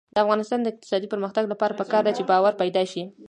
د افغانستان د اقتصادي پرمختګ لپاره پکار ده چې باور پیدا شي.